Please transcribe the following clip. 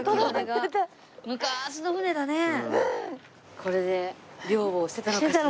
これで漁をしてたのかしら？